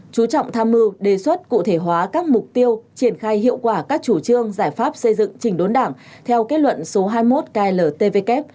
chú trọng tham mưu đề xuất cụ thể hóa các mục tiêu triển khai hiệu quả các chủ trương giải pháp xây dựng chỉnh đốn đảng theo kết luận số hai mươi một kltvk